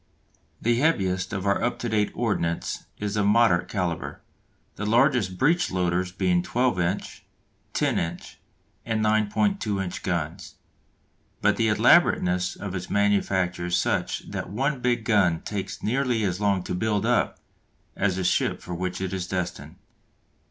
The heaviest of our up to date ordnance is of moderate calibre, the largest breech loaders being 12 inch, 10 inch, and 9.2 inch guns. But the elaborateness of its manufacture is such that one big gun takes nearly as long to "build up" as the ship for which it is destined.